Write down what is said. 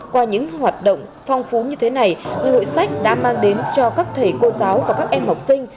qua những hoạt động phong phú như thế này ngày hội sách đã mang đến cho các thầy cô giáo và các em học sinh